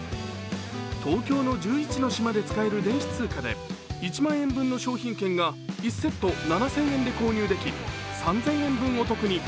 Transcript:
東京の１１の島で使える電子通貨で１万円分の商品券が１セット７０００円で購入でき、３０００円分お得に。